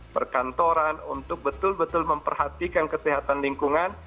perkantoran untuk betul betul memperhatikan kesehatan lingkungan